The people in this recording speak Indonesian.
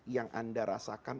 yang anda rasakan